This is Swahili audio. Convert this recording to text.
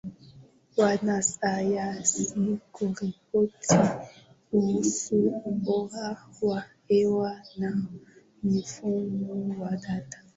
wanasayansi kuripoti kuhusu ubora wa hewa na mifumo ya data